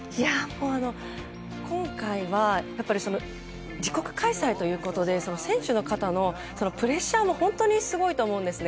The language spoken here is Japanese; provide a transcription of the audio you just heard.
今回は自国開催ということで選手の方のプレッシャーも本当にすごいと思うんですね。